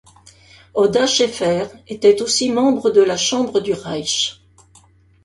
Oda Schaefer était aussi membre de la Chambre du Reich.